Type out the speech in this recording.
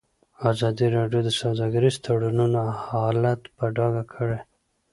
ازادي راډیو د سوداګریز تړونونه حالت په ډاګه کړی.